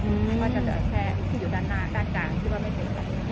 อืมด้านหลังอืมก็จะแค่อยู่ด้านหน้าด้านกลางที่ว่าไม่เป็นอะไร